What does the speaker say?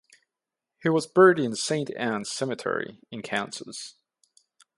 He was buried in Saint Ann's Cemetery in Kansas.